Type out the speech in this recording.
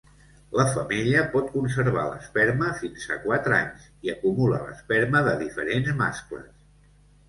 La femella pot conservar l'esperma fins a quatre anys i acumula l'esperma de diferents mascles.